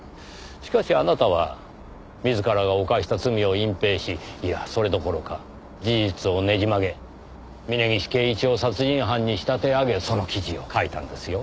しかしあなたは自らが犯した罪を隠蔽しいやそれどころか事実をねじ曲げ峰岸圭一を殺人犯に仕立て上げその記事を書いたんですよ。